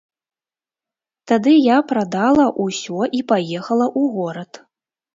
Тады я прадала ўсё і паехала ў горад.